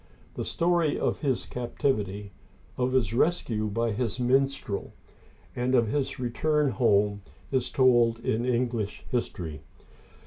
The story of his captivity, of his rescue by his minstrel, and of his return home, is told in English history.